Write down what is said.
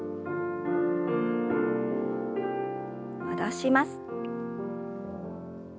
戻します。